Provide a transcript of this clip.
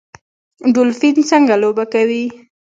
ډولفین څنګه لوبه کوي؟